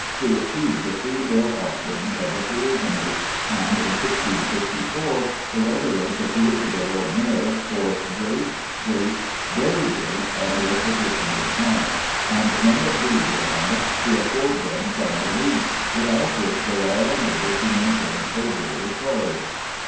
to receive the freewill offerings of the parishioners," and in 1654 the residents appeal to the Lord Mayor, for "grate, grate, very grate are your petitioners' wants, and may it please your Honour to afford them some relief ... without which they are unable to maintain so great a charge."